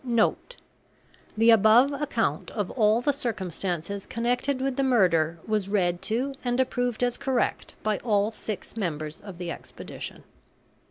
NOTE: The above account of all the circumstances connected with the murder was read to and approved as correct by all six members of the expedition.